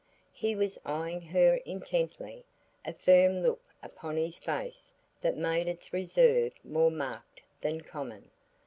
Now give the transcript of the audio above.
He was eyeing her intently, a firm look upon his face that made its reserve more marked than common.